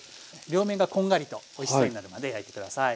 両面がこんがりとおいしそうになるまで焼いて下さい。